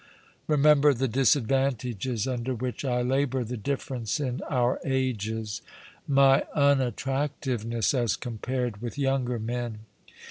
Eemember the disadvantages under which I labour — the difference in our ages; my unattractiveness as compared with younger men.